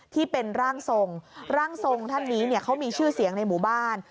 ที่เป็นร่างทรงร่างทรงท่านนี้เขามีชื่อเสียงในหมู่บ้าน